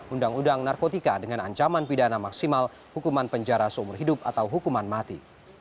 undang undang narkotika dengan ancaman pidana maksimal hukuman penjara seumur hidup atau hukuman mati